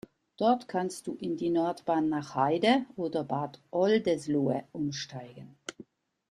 Dort kannst du in die Nordbahn nach Heide oder Bad Oldesloe umsteigen.